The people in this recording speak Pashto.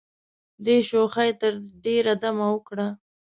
دغې شوخۍ تر ډېره دوام وکړ.